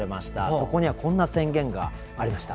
そこにはこんな宣言がありました。